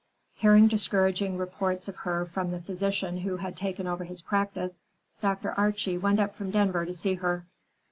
Hearing discouraging reports of her from the physician who had taken over his practice, Dr. Archie went up from Denver to see her.